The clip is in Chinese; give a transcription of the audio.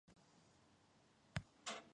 于是他躺在山坡顶上休息。